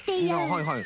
はいはい。